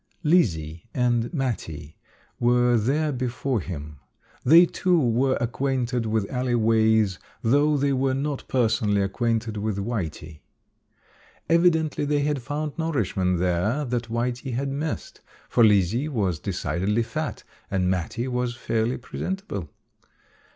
Lizzie and Mattie were there before him. They, too, were acquainted with alley ways, though they were not personally acquainted with Whitey. Evidently they had found nourishment there that Whitey had missed, for Lizzie was decidedly fat and Mattie was fairly presentable.